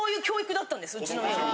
うちの家は。